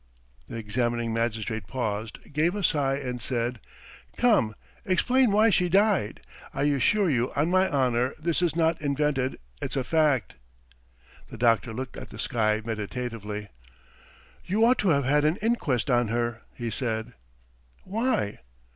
The examining magistrate paused, gave a sigh and said: "Come, explain why she died. I assure you on my honour, this is not invented, it's a fact." The doctor looked at the sky meditatively. "You ought to have had an inquest on her," he said. "Why?"